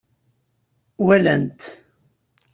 Walan-t.